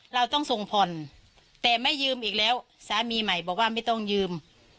เราต้องส่งผ่อนแต่ไม่ยืมอีกแล้วสามีใหม่บอกว่าไม่ต้องยืม